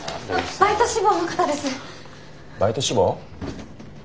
バイト志望？